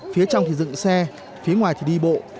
phía trong thì dựng xe phía ngoài thì đi bộ